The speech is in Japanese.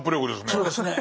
そうですね。